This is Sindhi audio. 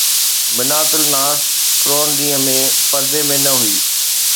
بنات الناس ڪرون ڏينهن ۾ پردي ۾ نه هئي